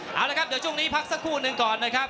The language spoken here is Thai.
รอคะแนนจากอาจารย์สมาร์ทจันทร์คล้อยสักครู่หนึ่งนะครับ